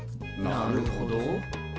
なるほど。